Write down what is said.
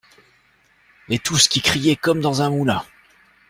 Et tous qui criez comme dans un moulin !